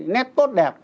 nét tốt đẹp